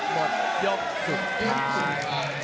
หมดยกสุดท้าย